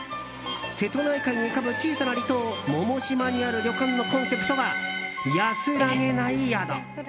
瀬戸内海に浮かぶ小さな離島百島にある旅館のコンセプトは安らげない宿！